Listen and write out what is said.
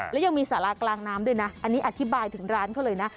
แล้วยังมีสารากลางน้ำด้วยนะอันนี้อธิบายถึงร้านเขาเลยนะ